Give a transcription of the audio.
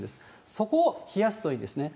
そこを冷やすといいですね。